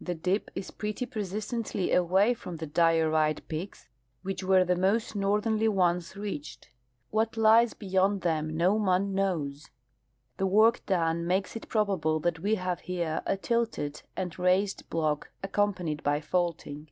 The dip is pretty persistently away from the diorite peaks, which were the most northerly ones reached. What lies beyond them no man knows. The work done makes it probable that we have here a tilted and raised hlook accom panied by faulting.